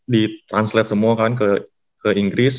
ditranslate semua kan ke inggris